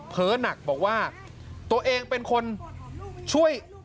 หนักบอกว่าตัวเองเป็นคนช่วย